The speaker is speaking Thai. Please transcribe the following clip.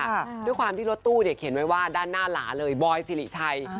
ด้วยความที่รถตู้เนี่ยเขียนไว้ว่าด้านหน้าหลาเลยบอยสิริชัย